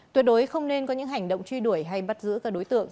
tuyệt đối không nên có những hành động truy đuổi hay bắt giữ các đối tượng